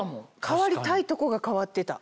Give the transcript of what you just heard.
変わりたいとこが変わってた。